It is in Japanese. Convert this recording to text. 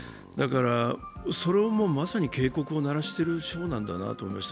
それをまさに警告を鳴らしている賞なんだなと思いました。